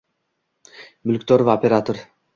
Mulkdor va operator: